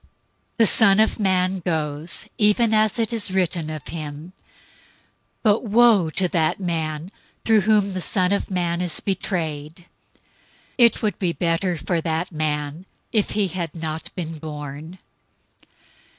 026:024 The Son of Man goes, even as it is written of him, but woe to that man through whom the Son of Man is betrayed! It would be better for that man if he had not been born."